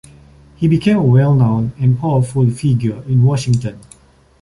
He became a well-known and powerful figure in Washington.